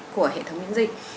của hệ thống miễn dịch